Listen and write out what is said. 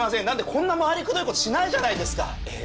こんな回りくどいことしないじゃないですか！